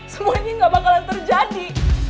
semuanya nggak bakalan terjadi